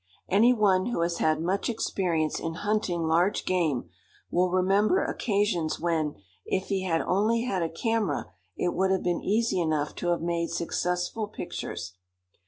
Any one who has had much experience in hunting large game will remember occasions when, if he had only had a camera, it would have been easy enough to have made successful pictures.